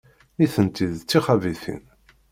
Nitenti d tixabitin.